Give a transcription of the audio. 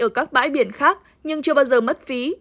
ở các bãi biển khác nhưng chưa bao giờ mất phí